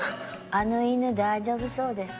あの犬大丈夫そうですか？